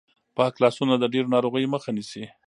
پاک لاسونه د ډېرو ناروغیو مخه نیسي.